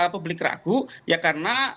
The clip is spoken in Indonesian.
publik ragu ya karena